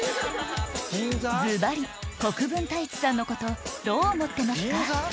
ずばり国分太一さんのことどう思ってますか？